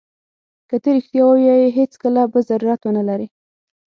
که ته رښتیا ووایې هېڅکله به ضرورت ونه لرې.